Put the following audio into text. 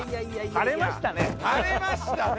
晴れましたね。